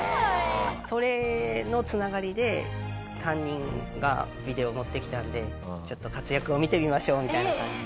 それの繋がりで担任が「ビデオ持ってきたので活躍を見てみましょう」みたいな感じで。